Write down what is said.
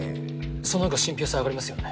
そのほうが信ぴょう性上がりますよね。